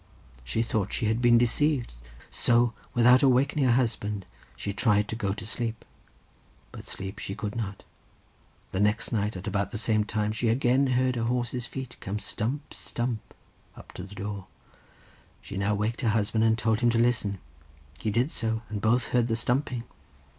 She thought she had been deceived, so, without awakening her husband, she tried to go to sleep, but sleep she could not. The next night, at about the same time, she again heard a horse's feet coming stump, stump, up to the door. She now waked her husband and told him to listen. He did so, and both heard the stumping.